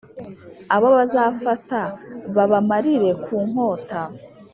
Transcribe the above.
abo bazafata, babamarire ku nkota.